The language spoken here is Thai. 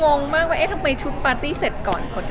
มองมากไว้เอ๊ะทำไมชุดปาร์ตี้เสร็จก่อน